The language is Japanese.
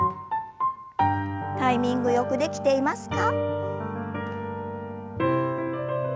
タイミングよくできていますか？